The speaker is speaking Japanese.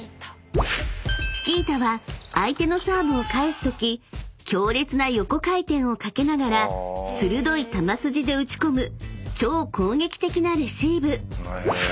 ［チキータは相手のサーブを返すとき強烈な横回転をかけながら鋭い球筋で打ち込む超攻撃的なレシーブ］